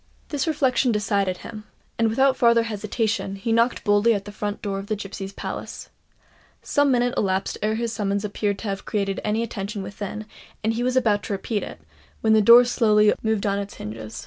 This reflection decided him; and, without farther hesitation, he knocked boldly at the front door of the Gipsies' Palace. Some minutes elapsed ere his summons appeared to have created any attention within; and he was about to repeat it, when the door slowly moved on its hinges.